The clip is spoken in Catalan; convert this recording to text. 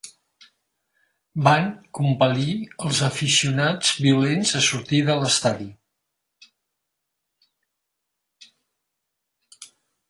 Van compel·lir els aficionats violents a sortir de l'estadi.